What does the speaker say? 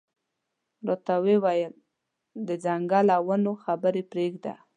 ورته یې وویل د ځنګل او ونو خبرې پرېږده.